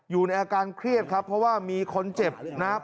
อยู่ในอาการเครียดครับเพราะว่ามีคนเจ็บนะครับ